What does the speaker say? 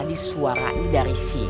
tadi suaranya dari sini